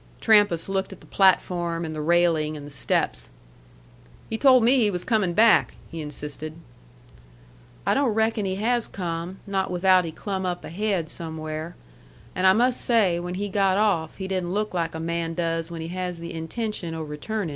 Trampas looked at the platform and the railing and the steps. "He told me he was coming back," he insisted. "I don't reckon he has come, not without he clumb up ahaid somewhere. An' I mus' say, when he got off he didn't look like a man does when he has the intention o' returnin'."